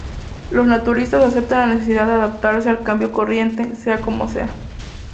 Los naturalistas aceptan la necesidad de adaptarse al cambio corriente, sea como sea.